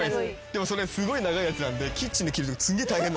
でもそれすごい長いやつなんでキッチンで切るときすんげえ大変。